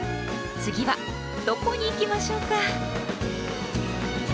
次はどこに行きましょうか。